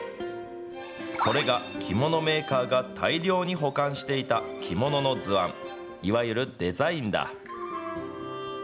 それが着物メーカーが大量に保管していた着物の図案、いわゆるデザインだ。